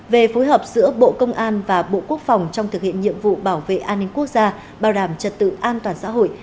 về phối hợp giữa bộ công an và bộ quốc phòng trong thực hiện nhiệm vụ bảo vệ an ninh quốc gia bảo đảm trật tự an toàn xã hội